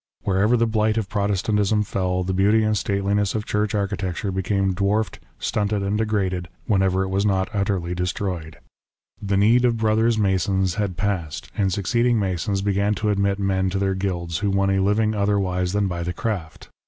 Wherever the blight of Protestantism fell, the beauty and stateliness of Church architecture became dwarfed, stunted, and degraded, whenever it was not utterly destroyed. The need of Brothers Masons had 22 WAR OF ANTICHRIST WITH THE CHURCH. passed, and succeeding Masons began to admit men to their guilds who won a living otherwise than by the craft.